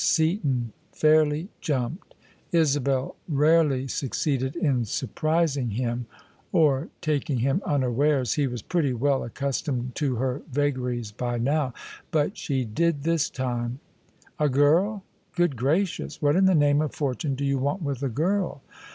Seaton fairly jumped. Isabel rarely succeeded in sur [lo] OF ISABEL CARNABY prising him or taking him unawares: he was pretty well accustomed to her vagaries by now. But she did this time. A girl? Good gracious! What in the name of fortune do you want with a girl